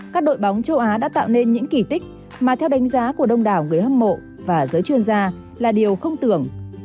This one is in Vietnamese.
các đội bóng châu á đã tạo nên những kỳ tích mà theo đánh giá của đông đảo người hâm mộ và giới chuyên gia là điều không tưởng